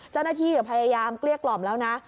เจ้าหน้าที่พยายามเกลี้ยกล่อมแล้วนะ